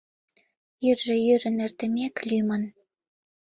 Йӱржӧ йӱрын эртымек, лӱмын